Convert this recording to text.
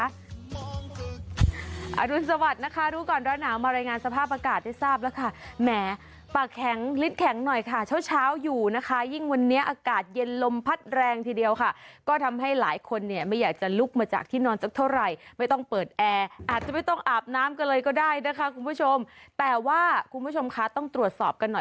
รุนสวัสดิ์นะคะรู้ก่อนร้อนหนาวมารายงานสภาพอากาศได้ทราบแล้วค่ะแหมปากแข็งลิดแข็งหน่อยค่ะเช้าเช้าอยู่นะคะยิ่งวันนี้อากาศเย็นลมพัดแรงทีเดียวค่ะก็ทำให้หลายคนเนี่ยไม่อยากจะลุกมาจากที่นอนสักเท่าไหร่ไม่ต้องเปิดแอร์อาจจะไม่ต้องอาบน้ำกันเลยก็ได้นะคะคุณผู้ชมแต่ว่าคุณผู้ชมคะต้องตรวจสอบกันหน่อย